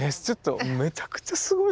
めちゃくちゃすごい。